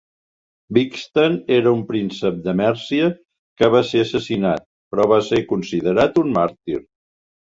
Wigstan era un príncep de Mèrcia que va ser assassinat, però va ser considerat un màrtir.